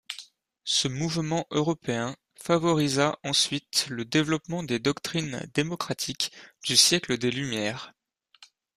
Ce mouvement européen favorisa ensuite le développement des doctrines démocratiques du siècle des Lumières.